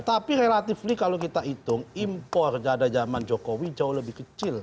tapi relatively kalau kita hitung impor dari zaman jokowi jauh lebih kecil